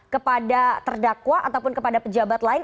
kepada terdakwa ataupun kepada pejabat lain